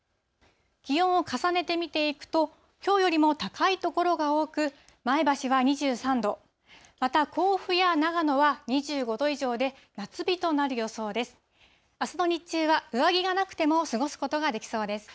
気温を重ねて見ていくと、きょうよりも高い所が多く、前橋は２３度、また、甲府や長野は２５度以上で、夏日となる予想です。